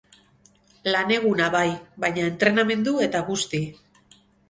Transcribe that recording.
Lan eguna bai, baina entrenamendu eta guzti.